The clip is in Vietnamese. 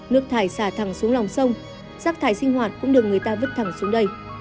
nước thải xả thẳng xuống lòng sông rác thải sinh hoạt cũng được người ta vứt thẳng xuống đây